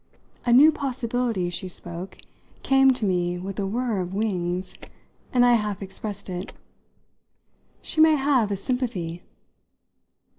A new possibility, as she spoke, came to me with a whirr of wings, and I half expressed it. "She may have a sympathy."